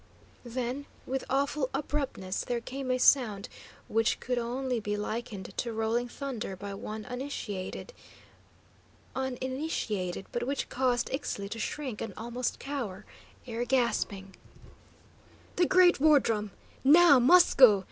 Then with awful abruptness there came a sound which could only be likened to rolling thunder by one uninitiated, but which caused Ixtli to shrink and almost cower, ere gasping: "The great war drum! Now MUST go!